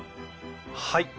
はい。